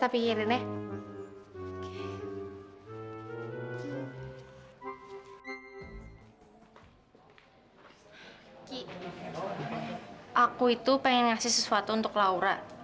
aku itu pengen ngasih sesuatu untuk laura